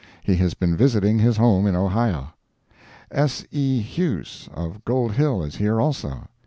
He has been visiting his home in Ohio. S. E. Huse of Gold Hill is here, also.